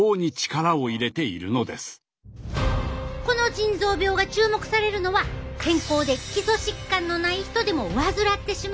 この腎臓病が注目されるのは健康で基礎疾患のない人でも患ってしまうことがあるからなんやわ。